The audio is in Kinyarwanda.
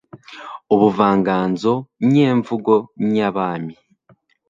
ubuvanganzo nyemvugo nyabami